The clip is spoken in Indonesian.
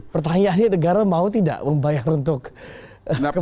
pertanyaannya negara mau tidak membayar untuk ke pertamina